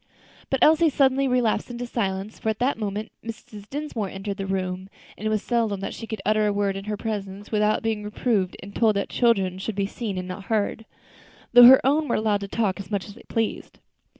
But Elsie suddenly relapsed into silence, for at that moment Mrs. Dinsmore entered the room, and it was seldom that she could utter a word in her presence without being reproved and told that "children should be seen and not heard," though her own were allowed to talk as much as they pleased.